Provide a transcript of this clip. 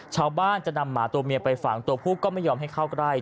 ชาวบ้านจะนำหมาตัวเมียไปฝังตัวผู้ก็ไม่ยอมให้เข้าใกล้